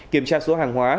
kiểm tra số hàng hóa